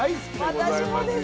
私もです。